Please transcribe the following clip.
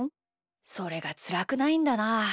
それがつらくないんだな。